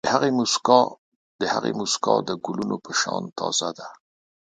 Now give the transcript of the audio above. د هغې موسکا د ګلونو په شان تازه ده.